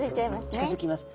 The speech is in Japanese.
近づきます。